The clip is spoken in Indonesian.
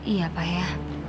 iya pak ya